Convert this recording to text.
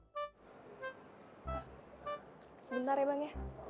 sebentar ya bang